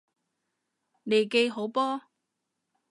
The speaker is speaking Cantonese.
利記好波！